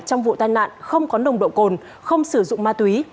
trong vụ tai nạn không có nồng độ cồn không sử dụng ma túy